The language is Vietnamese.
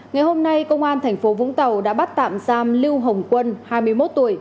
ngày hôm nay công an tp vũng tàu đã bắt tạm giam lưu hồng quân hai mươi một tuổi